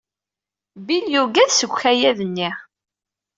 Bill yuggad seg ukayad-nni.